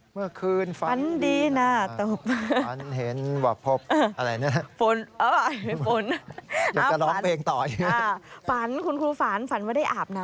เมื่อคืนฝันดีนะตบ